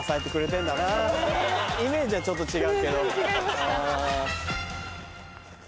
イメージはちょっと違うけど。